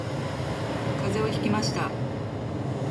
風邪をひきました